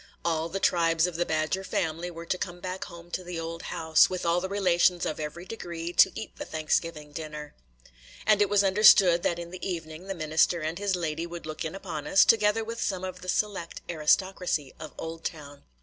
All the tribes of the Badger family were to come back home to the old house, with all the relations of every degree, to eat the Thanksgiving dinner. And it was understood that in the evening the minister and his lady would look in upon us, together with some of the select aristocracy of Oldtown.